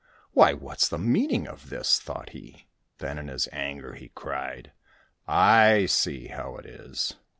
" Why, what's the meaning of this ?" thought he. Then in his anger he cried, " I see how it is.